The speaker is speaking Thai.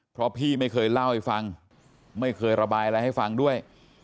เพราะพี่ไม่เคยเล่าให้ฟังไม่เคยระบายอะไรให้ฟังด้วย